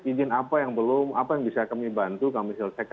izin apa yang belum apa yang bisa kami bantu kami selesaikan